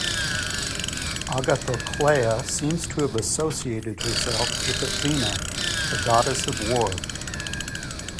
Agathokleia seems to have associated herself with Athena, the goddess of war.